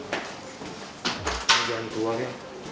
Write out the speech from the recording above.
ini jangan keluar ya